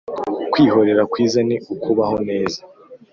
kwihorera kwiza ni ukubaho neza